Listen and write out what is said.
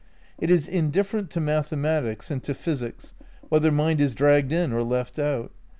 It is indifferent to mathematics and to physics whether mind is dragged in or left out.